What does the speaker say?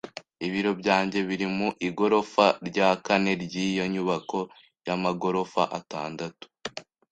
Ibiro byanjye biri mu igorofa rya kane ryiyo nyubako yamagorofa atandatu.